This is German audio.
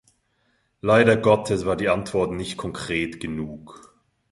Leider Gottes war die Antwort nicht konkret genug.